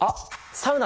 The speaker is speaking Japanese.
サウナ？